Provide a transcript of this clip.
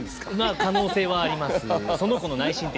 可能性はあります。